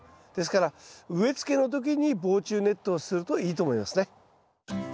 ですから植えつけの時に防虫ネットをするといいと思いますね。